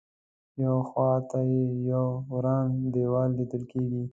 ښی خوا ته یې یو وران دیوال لیدل کېږي.